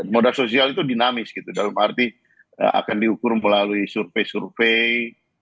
modal sosial itu dinamis gitu dalam arti akan diukur melalui survei survei